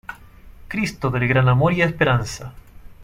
Cristo del Gran Amor y Esperanza".